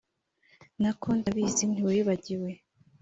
Nako ndabizi ntiwibagiwe .